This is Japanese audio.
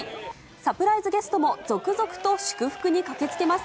サプライズゲストも続々と祝福に駆けつけます。